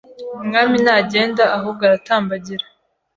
Umwami Ntagenda ahubwo Aratambagira